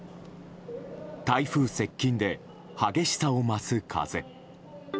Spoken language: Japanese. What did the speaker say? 台風接近で激しさを増す風。